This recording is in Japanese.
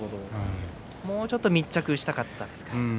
もうちょっと密着したかったですか。